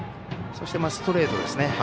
そしてストレートですね。